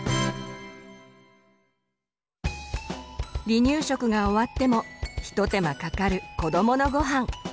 離乳食が終わっても一手間かかる子どものごはん。